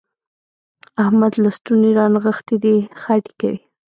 احمد لستوڼي رانغښتي دي؛ خټې کوي.